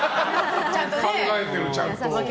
考えてる、ちゃんと。